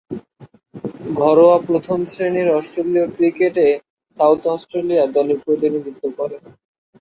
ঘরোয়া প্রথম-শ্রেণীর অস্ট্রেলীয় ক্রিকেটে সাউথ অস্ট্রেলিয়া দলের প্রতিনিধিত্ব করেন।